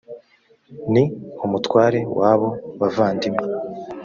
ni umutware wabo bavandimwe